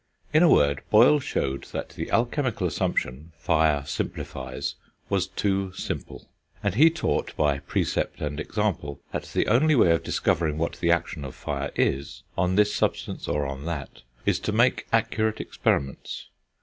In a word, Boyle showed that the alchemical assumption fire simplifies was too simple; and he taught, by precept and example, that the only way of discovering what the action of fire is, on this substance or on that, is to make accurate experiments.